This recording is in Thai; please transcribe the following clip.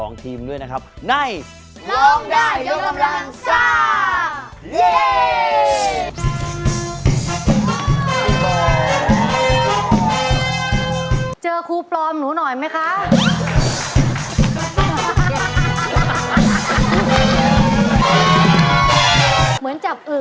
นี่คือเกิร์ลแบรนด์นาวิชกี้